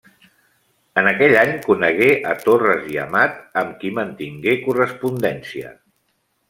En aquell any conegué a Torres i Amat amb qui mantingué correspondència.